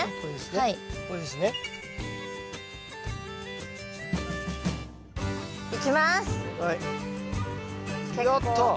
はい。